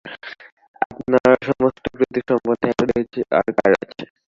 আমার সমস্ত ত্রুটিসম্বন্ধে এত ধৈর্য আর কার আছে?